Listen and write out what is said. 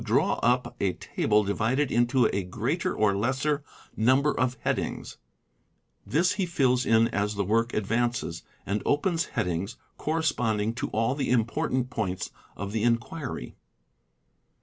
raw up a table divided into a greater or less number of bAcainge: "his he fills in as the work advances and opens headings corresponding to all the important points of the inquiry.